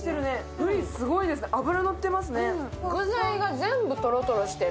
ぶりすごいですね、脂乗ってますね。